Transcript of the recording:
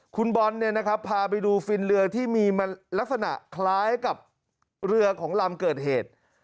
คุณบอลพาไปดูฟินเรือที่มีลักษณะคล้ายกับเรือของลำเกิดเหตุ